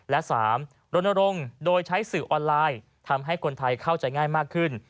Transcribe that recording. และ๓รณรงค์โดยใช้สื่อออนไลน์ทำให้คนไทยเข้าใจง่ายมากขึ้น